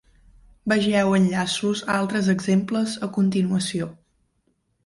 Vegeu enllaços a altres exemples a continuació.